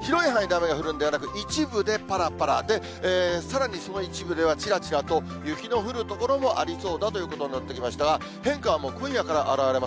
広い範囲で雨が降るんではなく、一部でぱらぱらで、さらにその一部ではちらちらと雪の降る所もありそうだということになってきましたが、変化はもう、今夜から表れます。